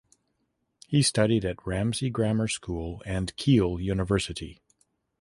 He studied at Ramsey Grammar School and Keele University.